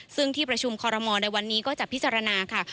ซึ่งที่ประชุมคอรมอลในวันนี้ก็จะพิจารณาค่ะ